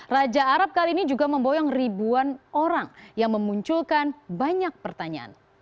raja arab kali ini juga memboyong ribuan orang yang memunculkan banyak pertanyaan